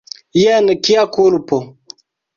Jen kia kulpo!